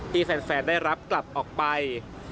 ที่แฟนได้รับกลับออกไป